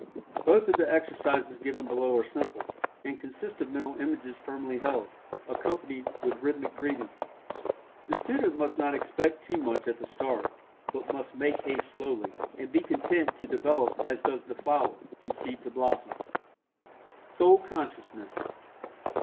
Both of the exercises given below are simple, and consist of mental images firmly held, accompanied with rhythmic breathing. The student must not expect too much at the start, but must make haste slowly, and be content to develop as does the flower, from seed to blossom. SOUL CONSCIOUSNESS.